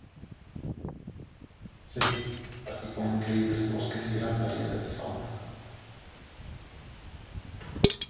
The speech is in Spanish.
Se trata de un parque con increíbles bosques y gran variedad de fauna.